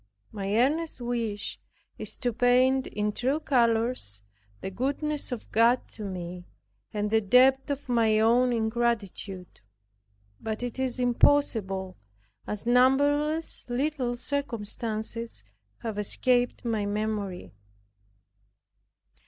My earnest wish is to paint in true colors the goodness of God to me, and the depth of my own ingratitude but it is impossible, as numberless little circumstances have escaped my memory.